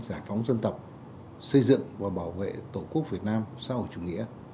giải phóng dân tộc xây dựng và bảo vệ tổ quốc việt nam xã hội chủ nghĩa